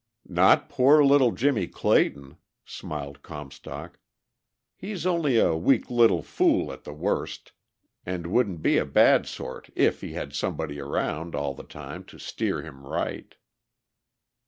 "Not poor little Jimmie Clayton," smiled Comstock. "He's only a weak little fool at the worst, and wouldn't be a bad sort if he had somebody around all the time to steer him right."